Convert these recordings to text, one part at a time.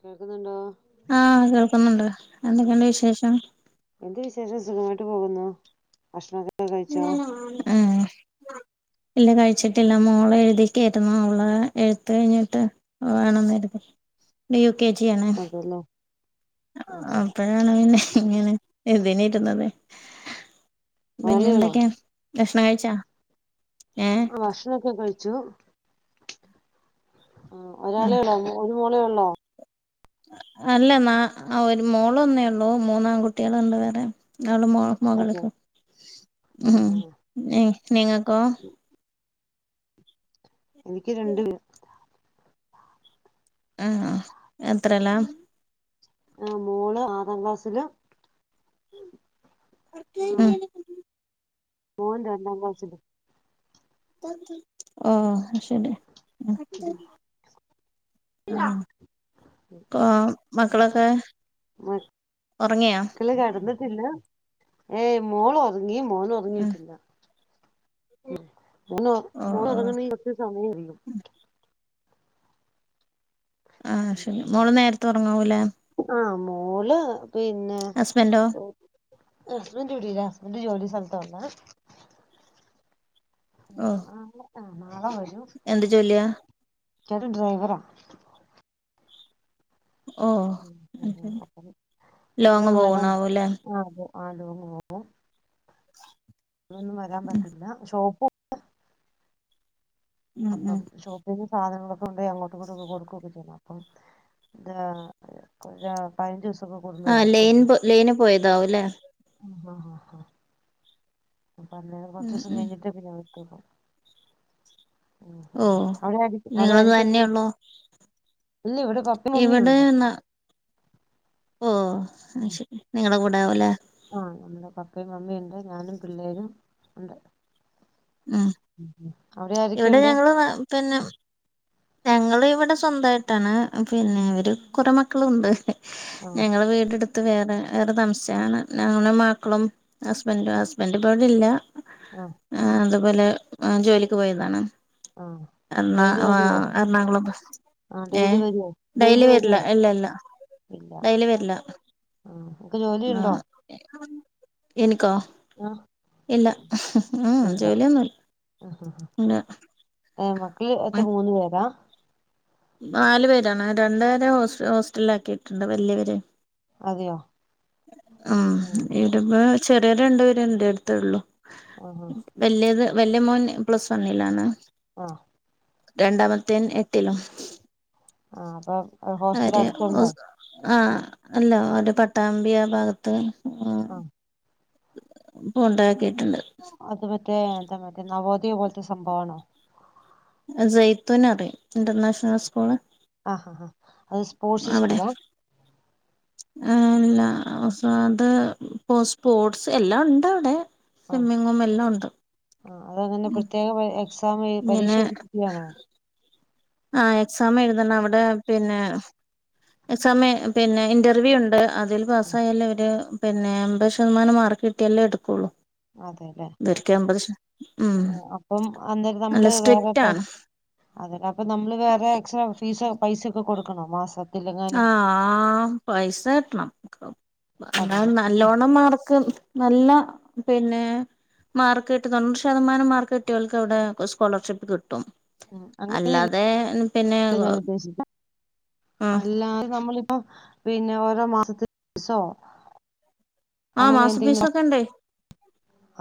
കേൾക്കുന്നുണ്ടോ ആ കേൾക്കുന്നുണ്ട് എന്തൊക്കെയണ്ട് വിശേഷം ശം സുഖമായിട്ട് പോകുന്നു ഭക്ഷണൊക്കെ കഴിച്ചോ ആ ഇല്ല കഴിച്ചിട്ടില്ല മോളെ എഴുതിക്കായിരുന്നു അവൾഎഴുത്ത കഴിഞ്ഞിട്ട് വേണന്നിരുന്ന് യു കെ ജി യാണ് അതല്ലേ ആഹാ അപ്പഴാണ് പിന്നെ ഇങ്ങനെ എതിന ഇരുന്നത് പിന്നെ ഒരാളേ ഉള്ളോ എന്തൊക്കെയാ ഭക്ഷണം കഴിച്ചാ ഏഹ് ആ ഭക്ഷണൊക്കെ കഴിച്ചു ആ ആഹ് ഒരാളെള്ളോ ഒരു മോളേ ഉള്ളോ അല്ല നാ ആ ഒരു മോളൊന്നേ ഉള്ളൂ മൂന്നാംകുട്ടികളുണ്ട് വേറെ അവള മോ അതെ മകക്ക ഉ ആഹാ നിങ്ങക്ക എനിക്ക് രണ്ട് ആ എത്രല്ല ആ മോള് ആറാം ക്ലാസ്സില് [inaudible] ഓന് ര രണ്ടാംക്ലാസിലാണ് അ ശരി ആ മക്കളൊക്കെ ഉറങ്ങിയാ മക്കള് കെടന്നിട്ടില്ല ഏയ് മോള ഒതുങ്ങി മോന ഉം ഒതുങ്ങിയിട്ടില്ല മന്ന്ോ ഓ ഓ മന്ന്ോരങ്ങണ കുച്ച് സമയം അും ആഹ ശരി മോള് നേരത്ത ഉറങ്ങാവൂലേ മല് പിന്നെ ഹസ്ബൻഡോ അസ്ബൻഡ്ൂട്ടില്ല ഹസ്ബന്ഡറ് ജോലി സ്ഥലത്തന്ന ഓ ആ ആ ആ [unintelligible] എന്ത് ചോല്ലിയാ കേത് ഡ്രൈവറ ഓ അ ലോങ് എപ്പഴൊന്നും വരാം പോവണാവൂല്ലേ ആ അതെ ആടങ്ങ് പോകും അതൊന്നും വരാൻ പറ്റില്ല ഷോപ്പും ആ ഉം ഉം അപ്പം ഷോപ്പിങ്ന്റെ സാധനങ്ങളൊക്കെ അങ്ങോട്ടട്ട കൊടുക്കൊക്കെ ചെയ്യ അപ്പ പതിനഞ്ച് ദിവസം ആ ലൈന് ലൈന് പോയതാവും അല്ലേ ആ ആാ അപ്പൊ അന്നര കുറച്ച ഉം ദിവസം ഉം കഴിഞ്ഞിട്ടേ പിന്നെ ഓ അവിടെ ആരിക്ക അവിടെ നിങ്ങള് ആയിരിക്കണ്ട തന്നെയുള്ളോ ഇല്ല ഇവിടെ ഇവിടെ പപ്പുമമ്മിയണ്ട് ന ഓ ശരി നിങ്ങളടെ കൂടെ ആവൂലേ ആ നമ്മുടെ പപ്പയും അമ്മയുണ്ട് ഞാനും പിള്ളേും ഉണ്ട് ഉം ഉ ഇവിടെ ഞങ്ങള്ൾ പിന്നെ ഞങ്ങള് ഇവിടെ സ്വന്തമായിട്ടാണ് പിന്നെ അവര് കുറെ മക്കളുണ്ട് ആ ഞങ്ങള് വീടെടുത്ത് അത്ത് വേറെ വേറെ തമസയാണ് ഞങ്ങളും മക്കളും ഹസ്ബൻറും ഹസ്ബൻഡ് പോലല്ല ആ അതുപോലെ ജോലിക്ക് പോയതാണ് ആഹ എറണാ വെയില വരുവോ എറണാകുളം ബ ആ ഏഹ ഡെയിലി വരുവോ ഡെയിലി ഡെലി വരില്ല വരുവോ ഇല്ല ഇല്ലാ ഇല്ല ഡൈല് വരില്ല ആ നിനക്ക് ആ ജോലിയുണ്ടോ എനിക്ക ആ ആഹ ഇല്ല ജോലിയൊന്നുമല്ല ആഹ് ആഹ് പിന്നെ ഏ മക്കള് അത്ര മൂന്ന്ു പേരാ നാലു പേരാണ് രണ്ടുപേരെസ് ഹോസ്റ്റല ആാക്കിയിട്ടുണ്ട് വലിയവരെ അതെയോ ആ ഉം ഇടെപ്പ ചെറിയ രണ്ടുപേര എണ്ട് അടുത്തേള്ളു ആഹ് വലിയത് വല്ലിയ മോൻ പ്ലസ് വണ്ിലാണ് ആ രണ്ടാമത്തേൻ എട്ടിലും ആ അപ്പൊ ഹോസ്റ്റൽ അടുത്തുണ്ടോ ആഹ അല്ലോ ഒരു പട്ടാമ്പിയ ഭാഗത്ത് ആഹ ഇപ്പൊ ഉണ്ടാക്കിട്ടുണ്ട് അത് മറ്റേ എന്താ മറ്റേ നവോദയ പോലത്തെ സംഭവണോ ജയ്ത്തുന അറിയ ഇന്റർനാഷണൽ സ്കൂള് ആഹ ആ ആാ അത് സ്പോർട്സ് സ്കൂള ആല്ല അത് ഇപ്പൊ സ്പോർട്സ് എല്ലാം ഉണ്ട് അവിടെ സ്വിമ്മിങ് മൂം എല്ലാം ഉണ്ട് ആ അതങ്ങനെ പ്രത്യേകം എക്സാം പരീക്ഷ എട്ടുകയാണോ ആഹ എക്സാം എഴുതണം അവിടെ പിന്നെ സമയം പിന്നെ ഇന്റർവ്യൂ ഉണ്ട് അതിൽ പാസ്സായാലേ അവര് പിന്നെ എൺമ്പത് ശതമാനം മാർക്ക് കിട്ടിയാലെ എടുക്കുള്ളൂ അതെല്ലേ [unintelligible] ഉം ആ അപ്പം നല്ല സ്ട്രിക്റ്റാണ് അത് അപ്പ നമ്മള് വേറെ എക്സ്ട്രാ ഫീസ് പൈസൊക്കെ കൊടുക്കണോ മാസം ആ പൈസ കെട്ടണം അതല്ല ന്നാലും അങ്ങനെ നല്ലോണം മാർക്ക് നല്ല പിന്നെ മാർക്ക് കിട്ടി [unintelligible] ശതമാനം മാർക്ക് കിട്ട്യോൽക്കവ്ടെ സ്കോളർഷിപ്പ് കിട്ടും ഉം അങ്ങനെയല്ല അല്ലാതെ പിന്നെ ഞാൻ ഉദ്ദേശിച്ചെ ഉം അല്ലാതെ നമ്മളിപ്പോൊ പിന്നെ ഓരോ മാസത്തി [unintelligible] ആ അങ്ങനെ എന്തെങ്കിലും മാസപ്പീസൊക്കെ ണ്ട്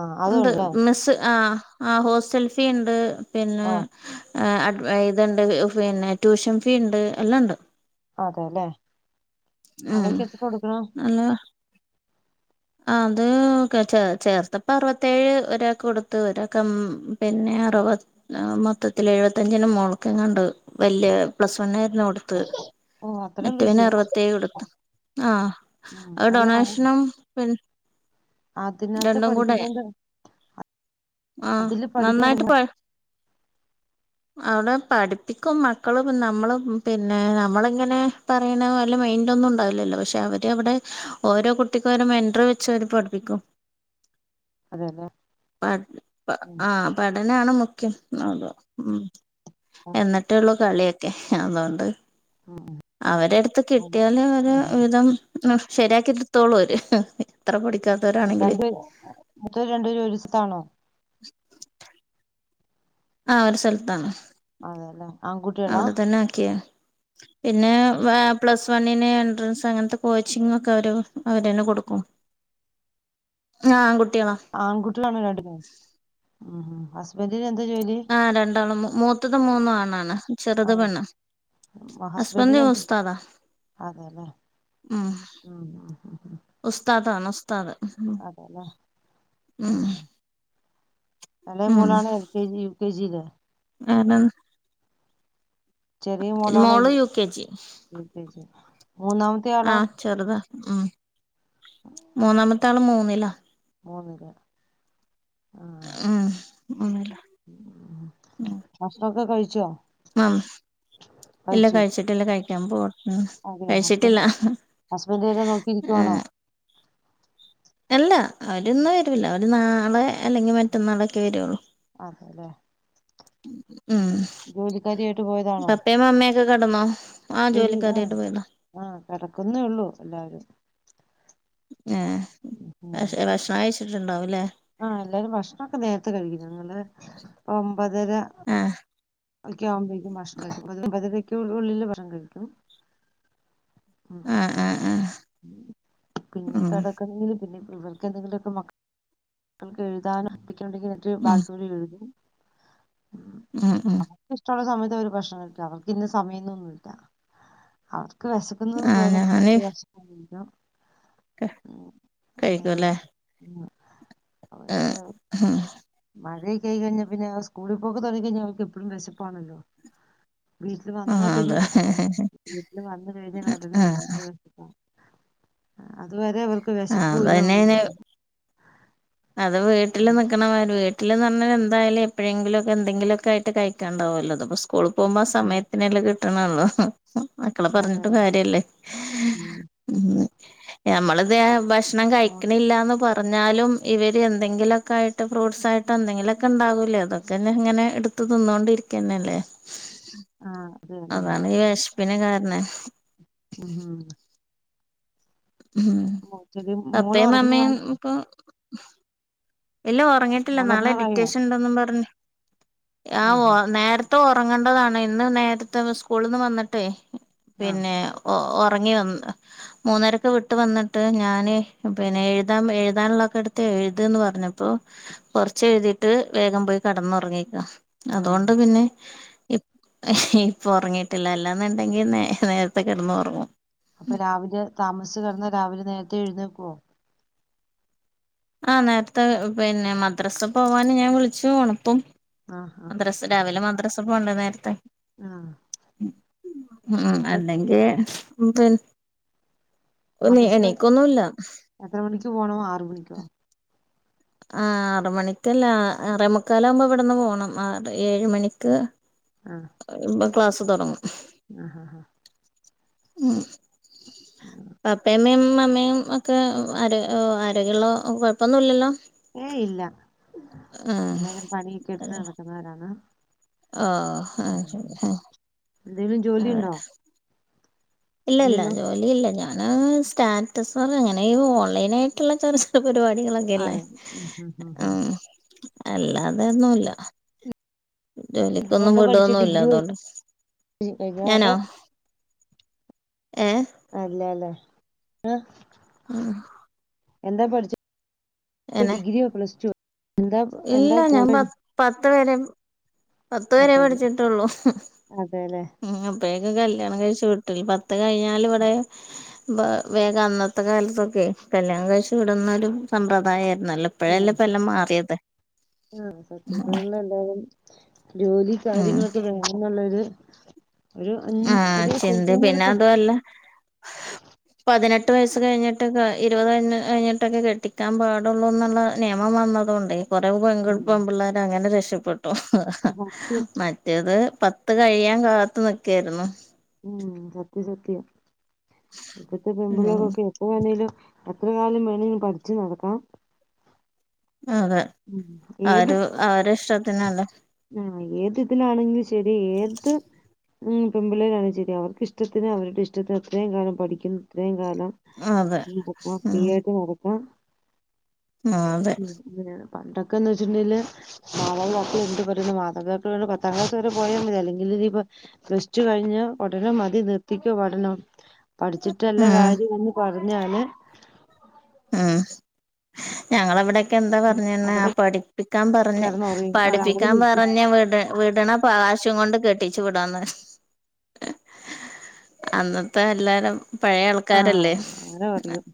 ആ ഉണ്ട് അതുണ്ടല്ലേ മിസ്സ് ആ ആ ഹോസ്റ്റൽ ഫീ ണ്ട് പിന്നെ ആ ആ ഇത്ണ്ട് പിന്നെ ട്യൂഷൻ ഫീ ഉണ്ട് എല്ലാം ണ്ട് അതെല്ലേ ഉം അതൊക്കെ എത്ര കൊടുക്കണം നല്ല അത് ചേ ചേർത്തപ്പ അറുപത്തേഴ് ഒരാക്കൊട്ത്ത് ഒരാക്ക് എംമ് പിന്നെ അറുപത് മൊത്തത്തിൽ എഴുപത്തഞ്ചിന് മോള്ക്കെങ്ങാണ്ട് വല്യ പ്ലസ് വണ്ണ് ന് കൊടുത്ത് ഓ അത്രയും മറ്റവന് പൈസയോ അറുപത്തേഴ് കൊടുത്ത് ആ ഉം അ അല്ല ഡൊണേഷനും [unintelligible] അതിനകത്ത് പഠിപ്പി [unintelligible] ആ നന്നായിട്ട് പോ അവിടെ പഠിപ്പിക്കും മക്കള് നമ്മള് പിന്നെ നമ്മളിങ്ങനെ പറയ്ണ വല്ല മൈന്റ ന്നും ഉണ്ടാവില്ലല്ലോ പക്ഷെ അവര് വടെ ഓരോ കുട്ടി മെൻടർ വെച്ചവര് പഠിപ്പിക്കും അതെല്ലേ [unintelligible] ഉം ആ [unintelligible] [unintelligible] മുഖ്യം അതെ ഉം ആ എന്നിട്ടൊള്ളൂ കളിയൊക്കെ അതോണ്ട് ഉം അവരെടുത്ത് ഉം. കിട്ടിയാല് ഓല് ഒരു ആഹാ വിധം ശരിയാക്കിടുത്തോളോല് എത്ര പൊടി രണ്ട് പേര് മറ്റോര് രണ്ടുപേരും ഒരുസ്‌ഥലത്താണോ ആ ഒരു സ്ഥലത്താണ് അതെല്ലേ ആൺകുട്ടികളാ അവിടെ തന്നെ ആക്കിയ പിന്നെ പ്ലസ് വണ്ണിന് എൻട്രൻസ് അങ്ങനത്തെ കോച്ചിങ്ങൊക്കെ അവര് അവര്ന്നെ കൊടുക്കും ആ ആൺകുട്ടികളാണോ രണ്ടുപേരും ഉം ഹസ്ബൻന്റിനെ ആ രണ്ടാണും മൂത്തത് മൂന്നും ആണാണ് ചെറുത് പെണ്ണ് ആ, ഹസ്ബൻഡിന് ഹുസ്ബൻഡ് എന്ത് ഉസ്താദാ അതെല്ലേ ഉം ഉം ഉം ഉം ഉം [inaudible] അതെല്ലേ ഉം എളേ ഉം മോളാണ് L K G U K ജില് വേറെന്ത് ചെറിയ മോളാണ് മോള് U K G U K G മൂന്നാമത്തെ ആ ആളോ ചെറുതാ ഉം മൂന്നാമത്താള് മൂന്നില മൂന്ന്ല് ഉം മൂന്നില ഉം ഭക്ഷണൊക്കെ കഴിച്ചോ ആ ല്ല കഴിച്ചു കഴിച്ചിട്ടില്ല കഴിക്കാൻ പോവ ഉം അതെയോ കഴിച്ചിട്ടില്ല ഹസ്ബൻഡ് ഹസ്ബൻഡ് വരെ ആ നോക്കിയിരിക്കുവാണോ ഇല്ല അവര്ന്ന് വരൂല്ല ഓല് നാളെ അല്ലെങ്കിൽ മറ്റന്നാളൊക്കെ വരുള്ളൂ അതല്ലെ ഉം ജോലിക്കാരിയായിട്ട് പോയതാണോ പപ്പയും മമ്മയൊക്കെ കെടന്നോ ആഹ് ഇത് ആ ജോലിക്കാരിയായിട്ട് പോയതാ ആ കെടക്കുന്നേ ഉള്ളു എല്ലാരും ഏ പക്ഷെ ഭക്ഷണം കഴിച്ചിട്ടുണ്ടാവ ആ എല്ലാരും ഭക്ഷണൊക്കെ നേരത്തെ കഴിക്കും ഞങ്ങള് ഒമ്പതര ആഹ് അക്കെ ആവുമ്പോഴേക്കും ഭകഷണം കയിക്കും പതുകയ്ക്ക ഉള്ളിൽ ഭഷണം കഴിക്കും ഉം ആഹ ആഹ ആഹ പിന്നെ കിടക്കെണ പിന്നെ പിള്ളവൾക്ക് എന്തെങ്കിലുമൊക്കെ മക്കക്ക് എഴുതാൻ ക്കുന്നുണ്ടെങ്കിൽ എന്ന് ഉം ഭാഗത്തൂടെ എഴുതും ഉ ഉം ഉം അവർക്ക് ഇഷ്ടള്ള സമ ഒരു ഭക്ഷണം അവർക്ക് ഇന്ന സമയംന്നൊന്നുംില്ല അവർക്ക് വിസക്കുന്ന്ന് ആഹ് തോന്ന്പ ഞാന് ന്ത ഉ അങ്ങനെ കഴിക്കൂല്ലേ ഉ അത് ആഹ് ഉം കൈ കഴിഞ്ഞൽ പിന്നെ സ്കൂളിൽ പോക്കെ തുടങ്ങ കഴിഞ്ഞാൽ അവർക്ക് എപ്പോഴും വിശപ്പാണല്ലോ വീട്ടില് വന്നാ ആഹ് പി അതെ വീട്ടിൽ വന്ന എഴുതി ഉടനെ വ ആഹ് അതുവരെ അവർക്ക് ആഹ് വിശപ്പല അതന്നെയാണ് ഒന്നില്ല അത് വീട്ടില് നക്കണ വര് വീട്ട വീട്ടിന്ന് പറഞ്ഞാൽ എന്തായാലും എപ്പഴെങ്കിലുംക്കെ എന്തെിലൊക്കെ ആട്ട് കഴിക്കാണ്ടാവുമല്ലോ സ്കൂളിൽ പോകുമ്പോ അതെ സമയത്തിനല്ലാം കിട്ടണള്ളോ മക്കളെ അതെ പറഞ്ഞിട്ടും കാര്യല്ലേ ഉം. ഞമ്മള ഇത് ഭക്ഷണം ഭക്ഷണം മോള് കഴിക്കണില്ലന്ന് പറഞ്ഞാലും ഇവര് എന്തെങ്കിലുമൊക്കെയിട്ട് ഫ്രൂട്ട്സ് ആയിട്ടോ എന്തെിലൊക്കെ ഉണ്ടാവില്ലല്ലോ അതൊക്കെന്നെ ഇങ്ങനെടുത്ത് തിന്നോണ്ടരിക്കില്ല ല്ലേ ആ അതെ അതെ അതാണ് ഈ വിശപ്പിന് കാരണം ഉ ഉം മോള് അപ്പയും അമ്മയും ഉറങ്ങാറായി ഇപ്പൊ ഇല്ല ഉറങ്ങിയിട്ടില്ല മോള് നാളെ ഉറങ്ങാറായോ അഡിക്റ്റേഷൻ ഉണ്ട പറഞ്ഞഞ് ആഹാ ആ നേരത്തെ ഇ ഉറങ്ങേണ്ടതാണ് ഇന്ന് നേരത്തെ സ്കൂളിൽ നിന്ന് വന്നിട്ടേ ആഹ് പിന്നെ റ മൂന്നരക്കെ വിട്ട് വന്നിട്ട് ഞാന് പിന്നെ എഴു എഴുതാനൊക്കെ എടു എഴുതന്ന് പറഞ്ഞ അപ്പൊ കുറച്ച് എഴുതിയിട്ട് വേഗം പോയി കടന്നുറങ്ങിക്ക ആഹ് അതുകൊണ്ട് പിന്നെ ഇപ്പൊ ഉറങ്ങിയിട്ടില്ല അല്ലാന്നുണ്ടെങ്കി നേ നേരത്തെ കിടന്ന് ഉറങ്ങും അപ്പൊ തഴുന്നക്കോ ആഹ് നേരത്തെ പിന്നെ മദ്രാസ പോവാന് ഞാൻ വിളിച്ചുോണപ്പം ആഹ് മദ്രാസ് രാവിലെ മദ്രാസ പോണ്ട നേരത്തെ ആഹ ഉ അല്ലെങ്കിൽ പി മദ്രസ എത്ര മണിക്ക് പോണോ ആറ മണിക്കോ ആ ആറ മണിക്കല്ല റമുക്കാലാവകുമ്പോ ഇവിടുന്ന് പോണം ആറ് ഏഴ് മണിക്ക് ഇ ക്ലാസ്സ് തുടങ്ങും ആഹ ആഹ് ആഹ ഉ പപ്പേമം അമ്മയും ഒക്കെ ആര ആരോഗ്യമുള്ള കുഴപ്പൊന്നുല്ലല്ലോ ഏ ഇല്ല എരും പണിയൊക്കെ എടുത്ത് നടക്കുന്നവരാണ് ഹ അ ശ എന്തേങ്കലും ജോലി ഉണ്ടോ ഇല്ലല്ല ഇല്ലല്ലോ ജോലി ഇല്ല ഞൻ സ്റ്റാറ്റസ്ന്ന് അങ്ങനെ ഓൺലൈൻ ആയിട്ടുള്ള ചെറ പരിപാടികളൊക്കെല്ലേ അതെ ഉം ഉം ഉം ഉ ഉം അല്ലാതെന്നുമല്ല ജോലിക്കൊന്നും എന്താ പഠിച്ചേ വിടൊന്നുംല്ല ഡിഗ്രി അതൊണ്ട് പഠിച്ച് കഴിഞ്ഞോ ഞാനാ അതോ അല്ലെല്ലേ ആഹ ആഹ എന്താ പഠിച്ചത് ഡിഗ്രിയ പ്ലസ് ടു എന്താ എന്താ ഇല്ല ഞാൻ പ കോഴ്സ് പത്ത് വരെ പത്തവരെ അതെല്ലേ പഠിച്ചിട്ടുള്ളൂ അതെല്ലേ അപ്പ കല്യാണം കഴിച്ചു വിട്ടില്ല പത്ത് കഴിഞ്ഞാൽ ഇവിടെ വേഗം അന്നത്തെ കാലത്തൊക്കെ കല്യാണം കഴിച്ചി വിടുന്നൊരു സമ്പ്രദായമായിരുന്നല്ലോ ആഹ് ഇപ്പോഴല്ലേ പലം മാറിയത് ആഹ് സത്യപണല്ല എന്താലും ജോലി ഉം കാര്യങ്ങളൊക്കെ വേണംന്നുള്ളൊരു ഒരു അഞ് ആഹ് ഒരു ചിന്ത ശരിക്കുനൊരു പിന്നെ അതുമല്ല പതിനെട്ട് എട്ട് വയസ്സ് കഴിഞ്ഞിട്ട് ഇരുപത് കഴിഞ്ഞ് കഴിഞ്ഞിട്ടൊക്കെ കെട്ടിക്കാൻ പാടുള്ളൂ എന്നുള്ള നിയമം വന്നതുക കൊണ്ടേ കുറവ് ഉം പെൺകുപ്പം പിള്ളേർ അങ്ങനെ രക്ഷപ്പെട്ടു സത്യം മറ്റേത് പത്ത് കഴിയാൻ കാത്ത് നിക്കായിരുന്നു ഉം സത്യ സത്യ ഇപ്പത്തെ ഉം പെമ്പുളകൊക്കെ എപ്പ വേണേലും എത്ര കാലം വേണമെങ്കിലും പഠിച്ചു നടക്കാം അതെ ഉം ഏത് ആര് അവര് ഇഷ്ടത്തിനല്ലേ ആഹ് ഏത് ഉ പെ പിള്ളേയിലാണ് ശരി അവർക്ക് ഇഷ്ടത്തിന് അവരുടെ ഇഷ്ടത്തിന് അത്രയും കാണും പഠിക്കുന്നത്രയും കാലം അതെ ഫ്രീ ആയിട്ട് നടക്കാം ആ അതെ ഉം അങ്ങനെയാണ് പണ്ടൊക്കെന്ന് വെച്ചിട്ടുണ്ടെങ്കില് [unintelligible] മാതാപതർക്ക് പത്താം ക്ലാസ് വരെ പോയാൽ മതി അല്ലെങ്കിൽ ഇ പ്ലസ് ടു കഴിഞ്ഞ ഉടനെ മതി നിർത്തി പഠണം പഠിച്ചിട്ടല്ല ഉം കാര്യംന്ന് പറഞ്ഞല് ഉം ഞങ്ങളവിടെ ന്താ പറ ഉം അവിടെ പഠിപ്പിക്കാൻ പറഞ്ഞ കിടന്നുറയും അത് അവിടെ പഠിപ്പിക്കാൻ നിർത്തി പറഞ്ഞ് വിട വിട്ന്ന പാ വിച്ചും കൊണ്ട് കെട്ടിച്ചു വിടന്ന അന്നത്തെ എല്ലാരും പഴയ ആൾക്കാരല്ലേ ആഹ് അങ്ങനെ പറയും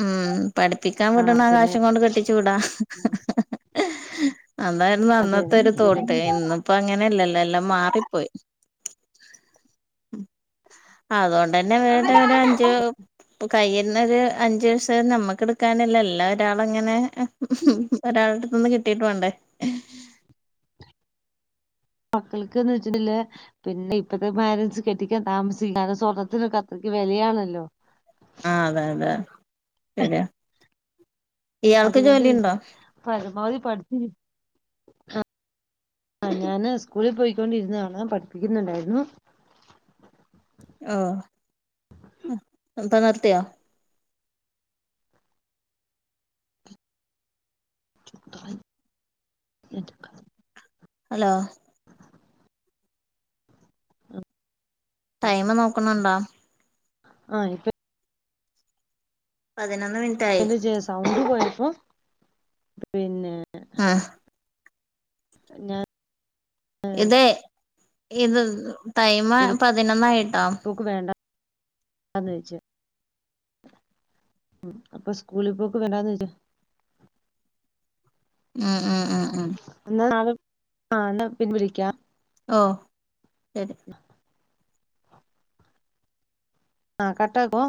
ഉം പഠിപ്പിക്കാൻ ആഹ് വിടണ അതന്നെ അവകാശം കൊണ്ട് കെട്ടിച്ചു വിടാ അതായിരുന്നു അന്നത്തെ ഒരു തോട്ട് അതന്നെ ഇന്നിപ്പോ അങ്ങനെയല്ലല്ലോ എല്ലാം മാറിപ്പോയി അതുകൊണ്ട് തന്നെ വേറെ ഒരു അഞ്ച് ഇപ്പൊ കൈയിരുന്നൊ ഒരു അഞ്ചു പൈസ നമ്മക്ക് എടുക്കാനില്ല എല്ലാ ഒരാള് അങ്ങനെ ഒരാളടത്തൊന്ന് കിട്ടിട്ട് വേണ്ടേ മക്കൾക്ക്ന്ന് വെച്ചിട്ടില്ല പിന്നെ ഇപ്പത്തെ മാരൻസ് കെട്ടിക്കാൻ താമസിക്കാരണം സ്വർണ്ണത്തിന ക വിലയാണല്ലോ ആഹ് അതെ അതെ ശരിയാ ഇയാൾക്ക് അതുകൊണ്ട്ന്ന ജോലിയുണ്ടോ പരമാവധി പഠിച്ച ആ ഞാന് സ്കൂളിൽ പോയിക്കൊണ്ടിരുന്നതാണ് പഠിപ്പിക്കുന്നുണ്ടായിരുന്നു ആ പ്പ നിർത്തിയോ ത എ [unintelligible] ഹലോ ആഹ് [unintelligible] ടൈമ് നോക്കണണ്ടോ ആഹ് ഇപ്പൊ പതിനൊന്ന് മിനിറ്റായി സൗണ്ട് പോയപ്പ പിന്നെ ആഹ് ഞാൻ ഇതെ ഇത് ടൈമ് പതിനൊന്നായിട്ടോ അന്ന് വെച്ച ഉ അപ്പൊ സ്കൂളിപ്പോക്കെ വേണ്ടന്ന് വച്ചാ ആ എന്നാ ആ എന്നാ പിന്നെ വിളിക്ക ഓ ശെരി ആഹ് കട്ടാാക്കോ